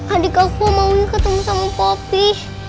adik aku mau ketemu sama poppy